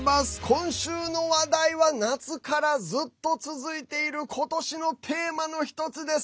今週の話題は夏からずっと続いている今年のテーマの１つです。